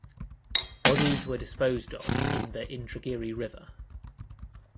Bodies were disposed of in the Indragiri River.